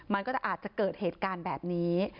มันก็จะอาจจะเกิดเหตุการณ์แบบนี้